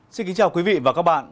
xin kính chào quý vị và các bạn